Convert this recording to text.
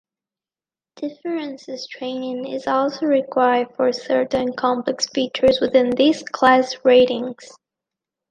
Differences training is also required for certain complex features within these class ratings.